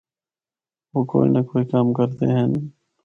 او کوئی نہ کوئی کم کردے ہن۔